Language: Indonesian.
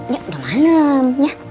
yuk udah malam ya